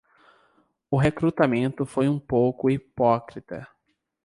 O recrutamento foi um pouco hipócrita